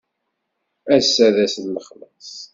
Ass-a d ass n lexlaṣ?